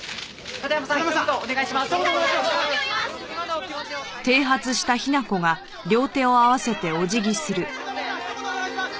片山さんひと言お願いします。